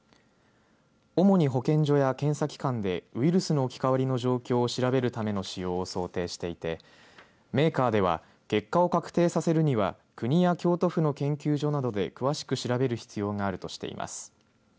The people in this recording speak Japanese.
主に保健所や検査機関でウイルスの置き換わりの状況を調べるための使用を想定していてメーカーでは結果を確定させるには国や京都府の研究所などで詳しく調べる必要があるとしています。